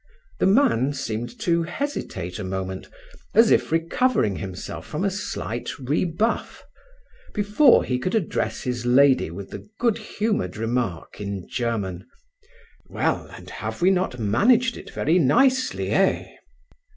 The man seemed to hesitate a moment, as if recovering himself from a slight rebuff, before he could address his lady with the good humoured remark in German: "Well, and have we not managed it very nicely, eh?"